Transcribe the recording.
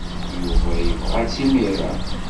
Yuba yebɣa-tt imir-a.